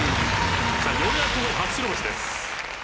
さあようやく初白星です。